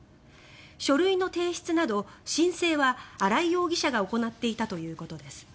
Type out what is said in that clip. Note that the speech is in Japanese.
書類の提出など申請は新井容疑者が行っていたということです。